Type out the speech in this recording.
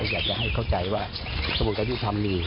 อยากให้เข้าใจว่าสมุงกัตตุที่ร้ำมี